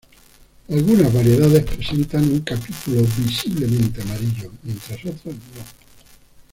Algunas variedades presentan un Capítulo visiblemente amarillo mientras otras no.